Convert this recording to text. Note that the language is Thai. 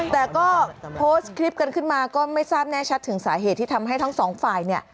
แต่ก็โพสต์คลิปกันขึ้นมาก็ไม่ทราบแน่ชัดถึงสาเหตุที่ทำให้ทั้งสองฝ่ายเนี่ย